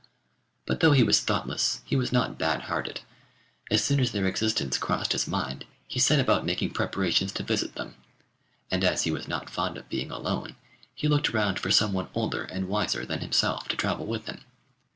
But though he was thoughtless, he was not bad hearted. As soon as their existence crossed his mind, he set about making preparations to visit them, and as he was not fond of being alone he looked round for some one older and wiser than himself to travel with him.